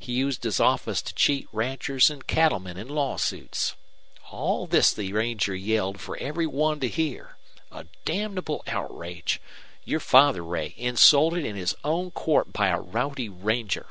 He used his office to cheat ranchers and cattlemen in lawsuits. All this the ranger yelled for every one to hear. A damnable outrage. Your father, Ray, insulted in his own court by a rowdy ranger!"